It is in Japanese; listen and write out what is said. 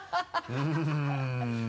うん。